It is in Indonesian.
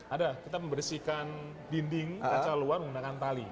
ada kita membersihkan dinding kaca luar menggunakan tali